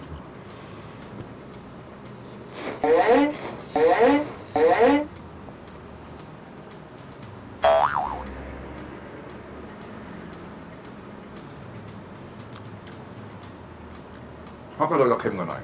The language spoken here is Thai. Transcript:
เขาก็เลยจะเค็มกว่านิดหนึ่ง